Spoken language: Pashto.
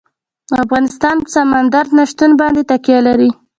افغانستان په سمندر نه شتون باندې تکیه لري.